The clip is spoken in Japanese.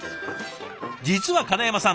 実は金山さん